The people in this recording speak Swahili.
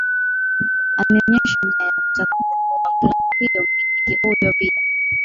ameonyesha nia ya kutaka kununua klabu hiyo mmiliki huyo pia